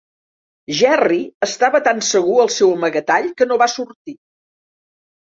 Jerry estava tan segur al seu amagatall que no va sortir.